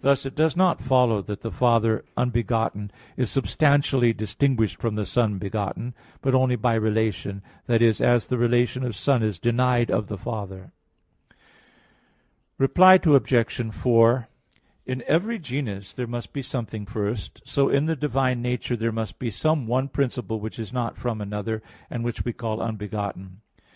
Thus it does not follow that the Father unbegotten is substantially distinguished from the Son begotten; but only by relation; that is, as the relation of Son is denied of the Father. Reply Obj. 4: In every genus there must be something first; so in the divine nature there must be some one principle which is not from another, and which we call "unbegotten."